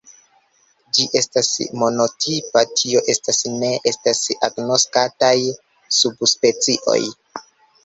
Ĝi estas monotipa, tio estas, ne estas agnoskataj subspecioj.